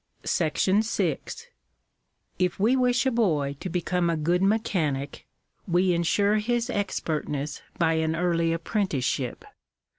§6. If we wish a boy to become a good mechanic, we ensure his expertness by an early apprenticeship.